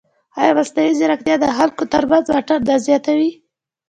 ایا مصنوعي ځیرکتیا د خلکو ترمنځ واټن نه زیاتوي؟